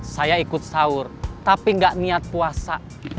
saya ikut sahur tapi gak niat puasa